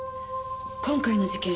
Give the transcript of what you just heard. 今回の事件